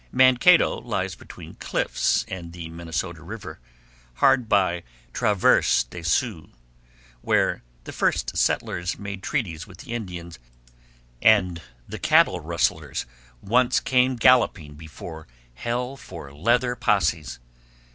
Mankato lies between cliffs and the Minnesota River, hard by Traverse des Sioux, where the first settlers made treaties with the Indians, and the cattle rustlers once came galloping before hell for leather posses.